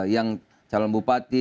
yang calon bupati